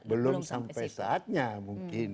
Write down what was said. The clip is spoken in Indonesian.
belum sampai saatnya mungkin